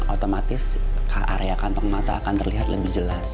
otomatis area kantong mata akan terlihat lebih jelas